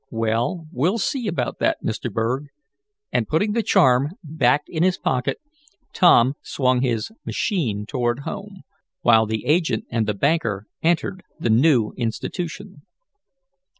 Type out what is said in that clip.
"Well, we'll see about that, Mr. Berg," and, putting the charm back in his pocket, Tom swung his machine toward home, while the agent and the banker entered the new institution.